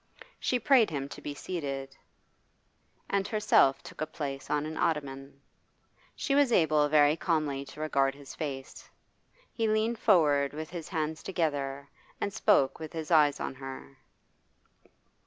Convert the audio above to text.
She prayed him to be seated, and herself took a place on an ottoman. She was able very calmly to regard his face. He leaned forward with his hands together and spoke with his eyes on her.